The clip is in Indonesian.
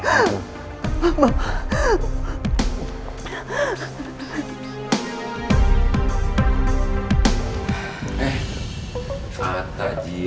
aku bener bener sayang sama anak ibu